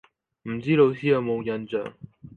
唔知老師有冇印象